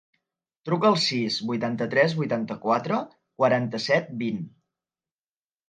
Truca al sis, vuitanta-tres, vuitanta-quatre, quaranta-set, vint.